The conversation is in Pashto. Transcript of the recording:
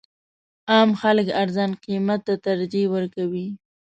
عام خلک ارزان قیمت ته ترجیح ورکوي.